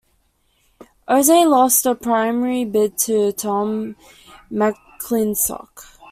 Ose lost the primary bid to Tom McClintock.